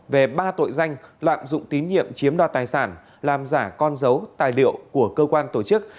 về ba tội danh lạm dụng tín nhiệm chiếm đoạt tài sản làm giả con dấu tài liệu của cơ quan tổ chức